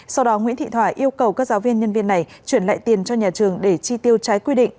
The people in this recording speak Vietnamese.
sau đó nguyễn thị thỏa yêu cầu các giáo viên nhân viên này chuyển lại tiền cho nhà trường để chi tiêu trái quy định